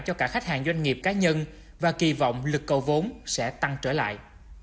cho cả khách hàng doanh nghiệp cá nhân và kỳ vọng lực cầu vốn sẽ tăng trở lại